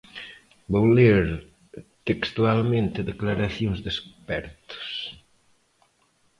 Vou ler textualmente declaracións de expertos.